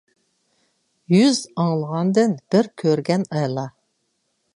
يۈز ئاڭلىغاندىن بىر كۆرگەن ئەلا.